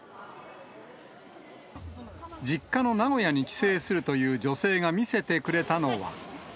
実家の名古屋に帰省するという女性が見せてくれたのは。